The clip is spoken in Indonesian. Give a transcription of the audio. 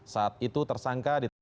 saat itu tersangka ditangkap di